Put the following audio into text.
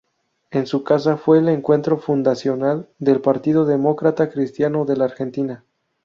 En su casa fue el encuentro fundacional del Partido Demócrata Cristiano de la Argentina.